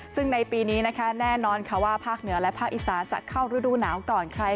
ซึ่งในปีนี้นะคะแน่นอนค่ะว่าภาคเหนือและภาคอีสานจะเข้าฤดูหนาวก่อนใคร